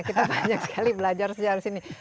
kita banyak sekali belajar sejarah sini